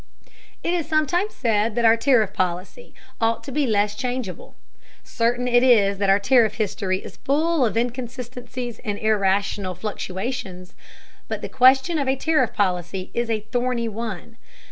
It is sometimes said that our tariff policy ought to be less changeable. Certain it is that our tariff history is full of inconsistencies and irrational fluctuations. But the question of a tariff policy is a thorny one.